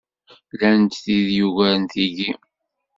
Llant tid yugaren tiggi.